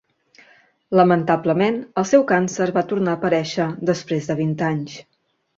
Lamentablement, el seu càncer va tornar a aparèixer després de vint anys.